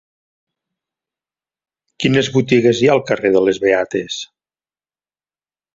Quines botigues hi ha al carrer de les Beates?